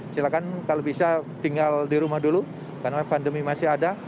silakan kalau bisa tinggal di rumah dulu karena pandemi masih ada